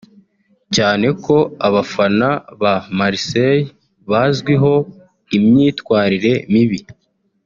cyane ko abafana ba Marseille bazwiho imyitwarire mibi